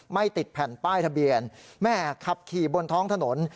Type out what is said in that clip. ไม่ติดแผ่นป้ายทะเบียนแม่ขับขี่บนท้องถนน